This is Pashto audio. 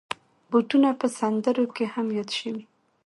بوټونه په سندرو کې هم یاد شوي.